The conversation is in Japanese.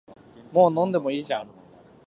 もう飲んでもいいじゃん